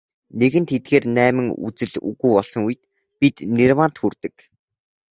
Нэгэнт эдгээр найман үзэл үгүй болсон үед бид нирваанд хүрдэг.